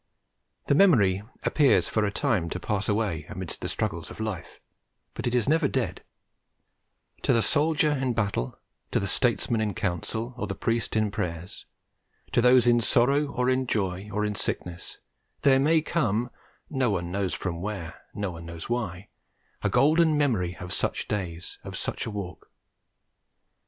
The memory appears for a time to pass away amidst the struggles of life, but it is never dead; to the soldier in battle, to the statesman in council, or the priest in prayers, to those in sorrow or in joy or in sickness, there may come, no one knows from where, no one knows why, a golden memory of such days, of such a walk.